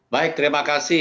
baik terima kasih